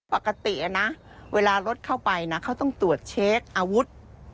ปกตินะเวลารถเข้าไปนะเขาต้องตรวจเช็คอาวุธ